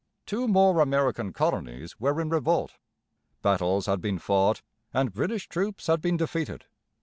Two more American colonies were in revolt. Battles had been fought and British troops had been defeated.